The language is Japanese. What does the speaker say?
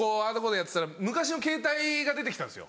やってたら昔のケータイが出て来たんですよ。